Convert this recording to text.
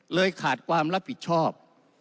ขาดความรับผิดชอบ